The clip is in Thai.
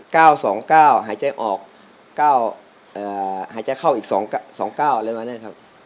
ก้าว๒ก้าวหายใจออกก้าวหายใจเข้าอีก๒ก้าวเลยมานี่ครับ